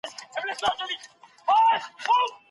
و دي ليدی .